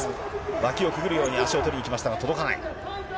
脇をくぐるように足を取りにいきましたが、届かない。